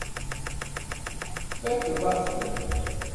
Tfakkeḍ-aɣ-ten.